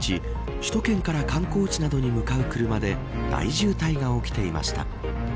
首都圏から観光地などに向かう車で大渋滞が起きていました。